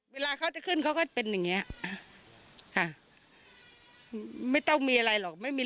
เวลาเขาจะขึ้นเขาก็เป็นอย่างเงี้ยค่ะไม่ต้องมีอะไรหรอกไม่มี